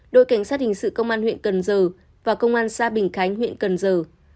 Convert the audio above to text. đội cảnh sát hình sự công an huyện cần giờ và công an xã bình khánh huyện cần giờ